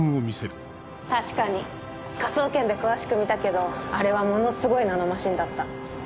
確かに科捜研で詳しく見たけどあれはものすごいナノマシンだった。